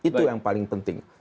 itu yang paling penting